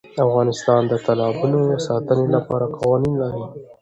افغانستان د تالابونو د ساتنې لپاره قوانین لري.